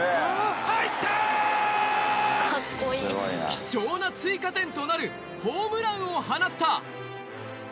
貴重な追加点となるホームランを放った。